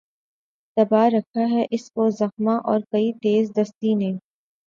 دبا رکھا ہے اس کو زخمہ ور کی تیز دستی نے